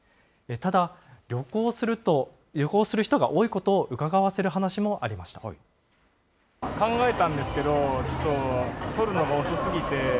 ただ、旅行する人が多いことをうかがわせる話もありました。